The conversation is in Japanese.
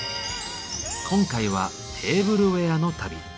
今回は「テーブルウエアの旅」。